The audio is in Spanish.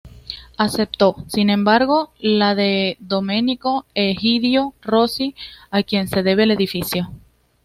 Aceptó, sin embargo, la de Domenico Egidio Rossi, a quien se debe el edificio.